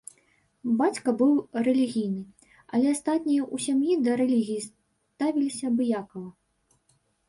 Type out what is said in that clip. Бацька быў рэлігійны, але астатнія ў сям'і да рэлігіі ставіліся абыякава.